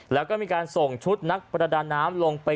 แล้วก็มีการส่งชุดนักประดาน้ำลงไป